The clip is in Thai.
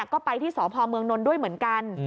ก็ไปที่สพเมืองนนท์ด้วยเหมือนกัน